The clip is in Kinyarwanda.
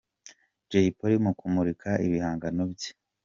Jay Polly mu kumurika ibihangano bye.